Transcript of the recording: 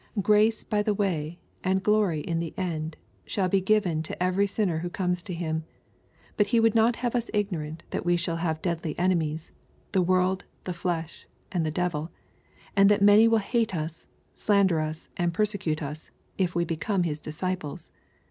Grace by the way, and glory in the end, shall be given to every sinner who comes to Him. But He would not have us ignorant that we shall have deadly enemies, — the world, the flesh, and the devil, and that many will hate us, slander us, and persecute us, if we become His disciples.